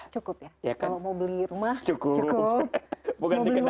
cukup ya kalau mau beli rumah cukup